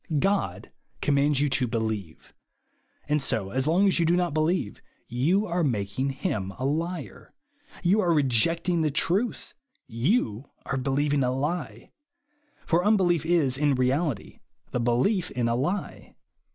God commands you to believe ; and, so long as you do not believe, you are making him a liar, you are rejecting the truth, you are believing a lie ; for unbelief is, in reality, the belief in a lie.